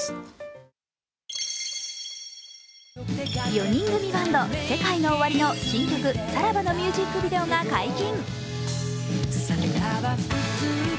４人組バンド、ＳＥＫＡＩＮＯＯＷＡＲＩの新曲「サラバ」のミュージックビデオが解禁。